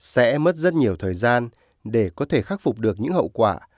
sẽ mất rất nhiều thời gian để có thể khắc phục được những hậu quả